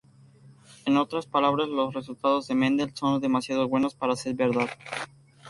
En otras palabras, los resultados de Mendel son demasiado buenos para ser verdad.